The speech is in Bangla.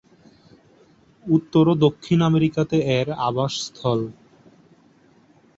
উত্তর ও দক্ষিণ আমেরিকাতে এর আবাসস্থল।